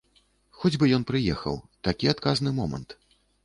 Хоць бы ён прыехаў, такі адказны момант.